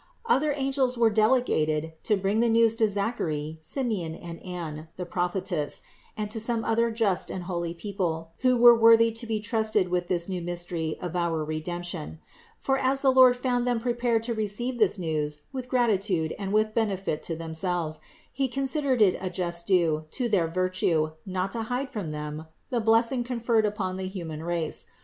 492. Other angels were delegated to bring the news to Zachary, Simeon and Anne, the prophetess, and to some other just and holy people, who were worthy to be trusted with this new mystery of our Redemption; for as the Lord found them prepared to receive this news with gratitude and with benefit to themselves, He considered it a just due to their virtue not to hide from them the blessing conferred upon the human race.